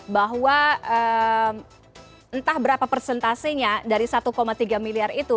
bahwa entah berapa persentasenya dari satu tiga miliar itu